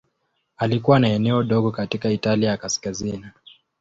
Alikuwa na eneo dogo katika Italia ya Kaskazini.